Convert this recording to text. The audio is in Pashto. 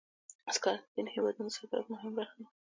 سکاره د ځینو هېوادونو د صادراتو مهمه برخه ده.